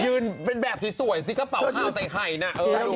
ยืนเป็นแบบสวยสิกระเป๋าข่าวใส่ไข่นะ